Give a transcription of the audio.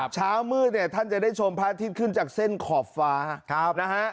เช้ามืดเนี่ยท่านจะได้ชมพระอาทิตย์ขึ้นจากเส้นขอบฟ้านะฮะ